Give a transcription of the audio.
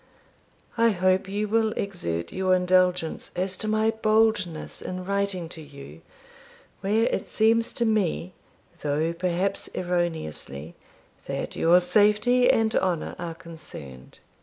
I hope you will exert your indulgence as to my boldness in writing to you, where it seems to me, though perhaps erroneously, that your safety and honour are concerned.